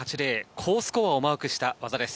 高スコアをマークした技です。